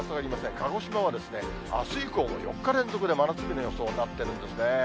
鹿児島はあす以降も４日連続で真夏日の予想になってるんですね。